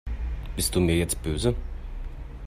Bist du mir jetzt böse?